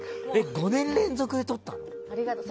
５年連続でとったんだ。